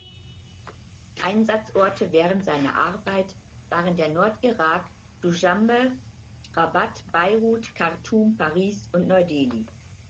Einsatzorte während seiner Arbeit waren der Nordirak, Duschanbe, Rabat, Beirut, Khartum, Paris und Neu-Delhi.